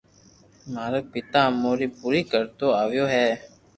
مارو پيتا امو ري پوري ڪرتو آويو ھي